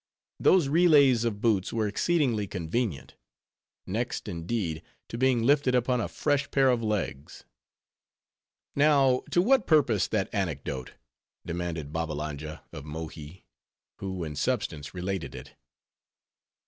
Those relays of boots were exceedingly convenient; next, indeed, to being lifted upon a fresh pair of legs. "Now, to what purpose that anecdote?" demanded Babbalanja of Mohi, who in substance related it.